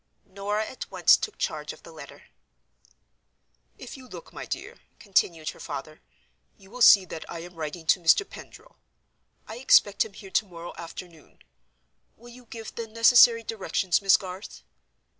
Norah at once took charge of the letter. "If you look, my dear," continued her father, "you will see that I am writing to Mr. Pendril. I expect him here to morrow afternoon. Will you give the necessary directions, Miss Garth?